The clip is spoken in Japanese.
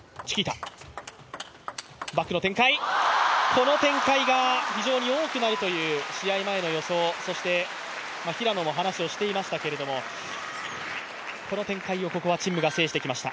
この展開が非常に多くなるという試合前の予想、そして平野も話をしていましたけれどもこの展開を陳夢が制してきました。